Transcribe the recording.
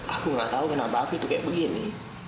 aku gak tau kenapa aku tuh kayak begini